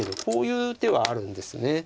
こういう手はあるんです。